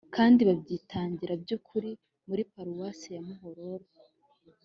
kandi babyitangira by’ukuri muriparuwasi ya muhororo.